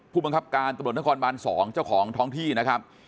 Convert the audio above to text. ผู้บังคับการตำรวจนครบาน๒เจ้าของท้องที่นะครับ